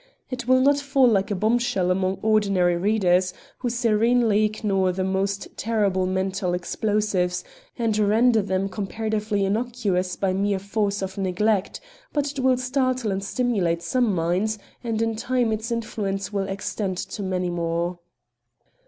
It will not fall like a bombshell among ordinary readers, who serenely ignore the most terrible mental explosives, and render them comparatively innocuous by mere force of neglect; but it will startle and stimulate some minds, and in time its influence will extend to many more.